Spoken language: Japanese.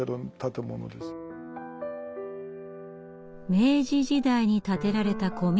明治時代に建てられた古民家。